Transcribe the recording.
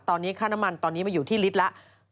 ตอนนี้ค่าน้ำมันตอนนี้มาอยู่ที่ลิตรละ